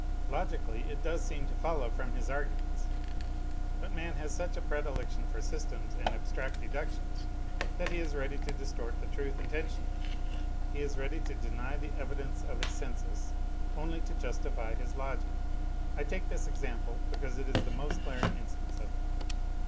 Logically it does seem to follow from his arguments. But man has such a predilection for systems and abstract deductions that he is ready to distort the truth inten 'tioiially, he is ready to deny the evidence of his senses only to justify his logic. I take this example because it is the most glaring instance of it.